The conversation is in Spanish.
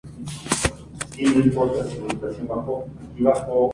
Nacido y criado en el barrio de Caballito, en la ciudad de Buenos Aires.